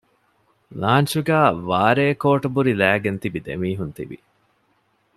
ލާންޗުގައި ވާރޭ ކޯޓުބުރި ލައިގެން ތިބި ދެމީހުން ތިވި